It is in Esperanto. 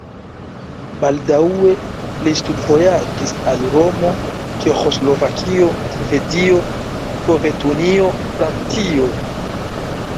Baldaŭe li studvojaĝis al Romo, Ĉeĥoslovakio, Svedio, Sovetunio, Francio.